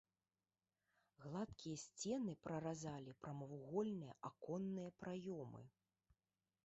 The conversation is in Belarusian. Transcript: Гладкія сцены праразалі прамавугольныя аконныя праёмы.